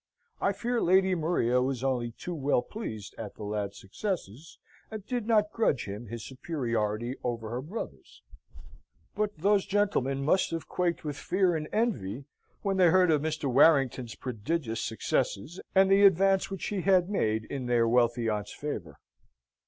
I fear Lady Maria was only too well pleased at the lad's successes, and did not grudge him his superiority over her brothers; but those gentlemen must have quaked with fear and envy when they heard of Mr. Warrington's prodigious successes, and the advance which he had made in their wealthy aunt's favour.